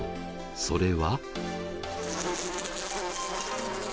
それは。